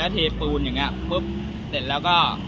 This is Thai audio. เทปูนอย่างนี้ปุ๊บเสร็จแล้วก็